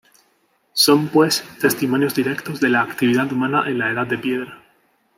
Son, pues, testimonios directos de la actividad humana en la Edad de Piedra.